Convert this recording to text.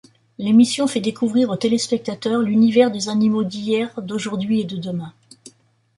L'émission fait découvrir au téléspectateur l'univers des animaux d'hier, d'aujourd'hui et de demain.